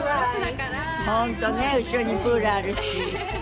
ホントね後ろにプールあるし。